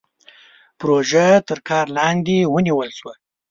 پروژه تر کار لاندې ونيول شوه.